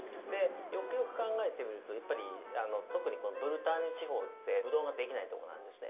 よくよく考えてみるとやっぱり特にこのブルターニュ地方ってブドウが出来ないとこなんですね。